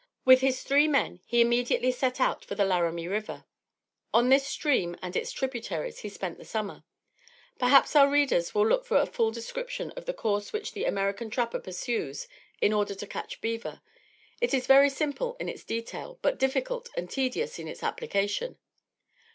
With his three men he immediately set out for the Laramie River. On this stream and its tributaries, he spent the summer. Perhaps our readers will look for a full description of the course which the American trapper pursues in order to catch beaver. It is very simple in its detail but difficult and tedious in its application.